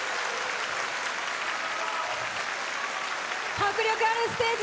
迫力あるステージ